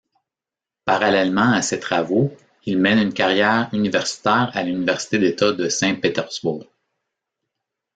Parallèlement à ses travaux, il mène une carrière universitaire à l'université d'État de Saint-Pétersbourg.